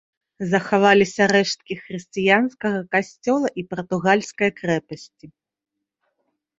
Захаваліся рэшткі хрысціянскага касцёла і партугальскай крэпасці.